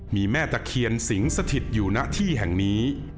มีแม่ตะเคียนสิงสถิตอยู่ณที่แห่งนี้